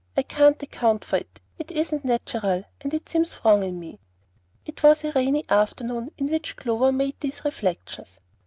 I can't account for it. It isn't natural, and it seems wrong in me." It was a rainy afternoon in which Clover made these reflections.